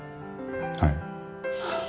はい。